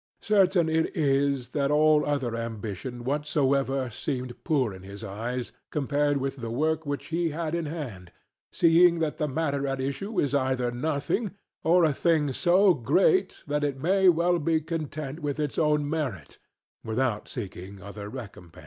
Certain it is that all other ambition whatsoever seemed poor in his eyes compared with the work which he had in hand; seeing that the matter at issue is either nothing, or a thing so great that it may well be content with its own merit, without seeking other recompence.